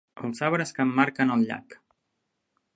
Els arbres que emmarquen el llac.